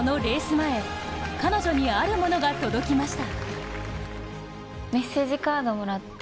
前彼女にあるものが届きました。